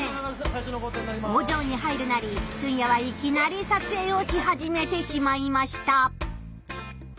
工場に入るなりシュンヤはいきなり撮影をし始めてしまいました。